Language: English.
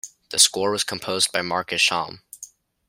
The score was composed by Mark Isham.